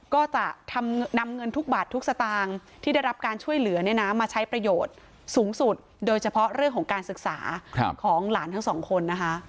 ก็จะนำเงินทุกบาททุกสตางค์ที่ได้รับการช่วยเหลือมาใช้ประโยชน์สูงสุดโดยเฉพาะเรื่องของการศึกษาของหลานทั้งสองคนนะคะ